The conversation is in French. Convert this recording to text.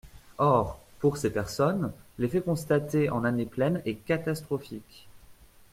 Or, pour ces personnes, l’effet constaté en année pleine est catastrophique.